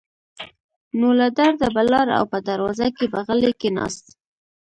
نو له درده به لاړ او په دروازه کې به غلی کېناست.